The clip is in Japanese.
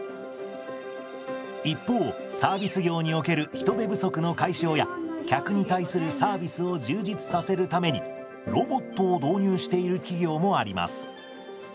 一方サービス業における人手不足の解消や客に対するサービスを充実させるためにロボットを導入している企業もあります。